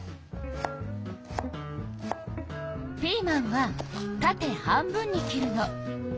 ピーマンはたて半分に切るの。